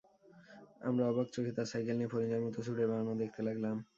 আমরা অবাক চোখে তার সাইকেল নিয়ে ফড়িংয়ের মতো ছুটে বেড়ানো দেখতে লাগলাম।